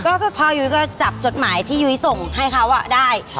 ก็คือพ่อยุ้ยก็จับจดหมายที่ยุ้ยส่งให้เขาได้